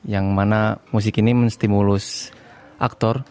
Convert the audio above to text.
yang mana musik ini menstimulus aktor